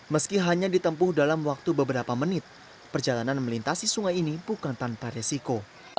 meski hanya ditempuh dalam waktu beberapa menit perjalanan melintasi sungai ini bukan tanpa resiko